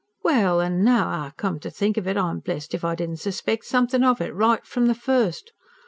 "Well, and now I come to think of it, I'm blessed if I didn't suspeck somethin' of it, right from the first!